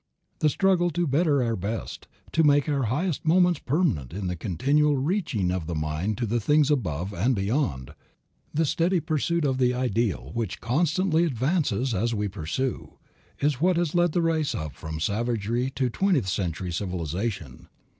The struggle to better our best, to make our highest moments permanent, the continual reaching of the mind to the things above and beyond, the steady pursuit of the ideal, which constantly advances as we pursue, is what has led the race up from savagery to twentieth century civilization.